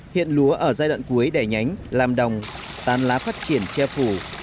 hiện lúa ở giai đoạn cuối đẻ nhánh làm đồng tán lá phát triển che phủ